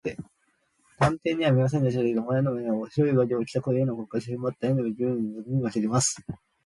探偵には見えませんでしたけれど、大屋根の上には、白い上着を着た例のコックが、足をふんばって、屋根の頂上にむすびつけた綱を、グングンと引きあげています。